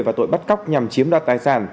và tội bắt cóc nhằm chiếm đoạt tài xế